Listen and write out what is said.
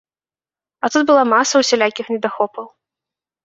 А тут была маса усялякіх недахопаў.